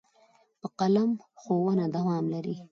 په قلم ښوونه دوام لري.